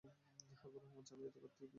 হাবিবুর রহমান চাকরি করতেন ইপিআরে।